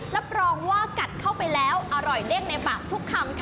รับรองว่ากัดเข้าไปแล้วอร่อยเด้งในปากทุกคำค่ะ